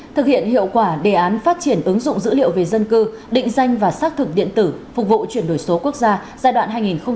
thực hiện hiệu quả đề án phát triển ứng dụng dữ liệu về dân cư định danh và xác thực điện tử phục vụ chuyển đổi số quốc gia giai đoạn hai nghìn hai mươi một hai nghìn ba mươi